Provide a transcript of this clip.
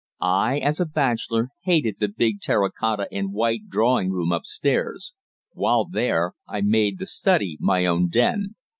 I, as a bachelor, hated the big terra cotta and white drawing room upstairs. When there, I made the study my own den.